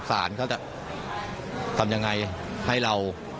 สารเขาจะทำยังไงให้เรา